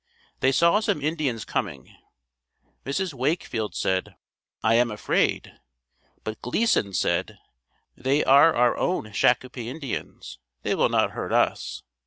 They saw some Indians coming. Mrs. Wakefield said: "I am afraid," but Gleason said, "They are our own Shakopee Indians, they will not hurt us."